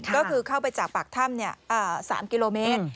ก็คือเข้าไปจากปากถ้ำ๓กิโลเมตร